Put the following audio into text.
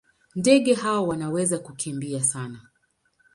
Ndege hawa wanaweza kukimbia sana.